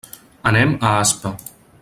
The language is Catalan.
Anem a Aspa.